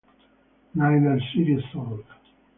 Neither series sold.